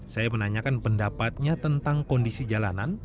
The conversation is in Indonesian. saya menanyakan pendapatnya tentang kondisi jalanan